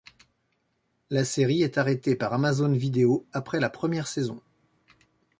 La série est arrêtée par Amazon Video après la première saison.